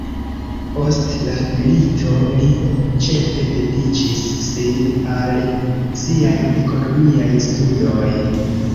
Post la milito, li ĉefe dediĉis sin al siaj ekonomikaj studoj.